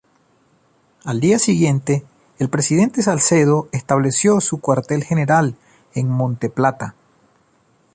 Al día siguiente el Presidente Salcedo estableció su cuartel general en Monte Plata.